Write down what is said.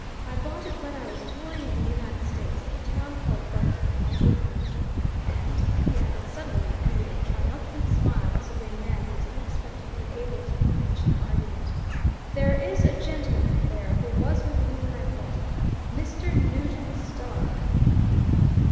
"I bought it when I was touring in the United States, at a town called Guthrie, in Oklahoma. And," he added suddenly and with a triumphant smile as of a man who is unexpectedly able to clinch an argument, "there is a gentleman there who was with me when I bought it Mr. Nugent Starr!"